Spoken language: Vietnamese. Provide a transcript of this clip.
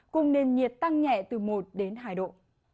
cùng nền nhiệt tăng nhẹ từ một đến hai độ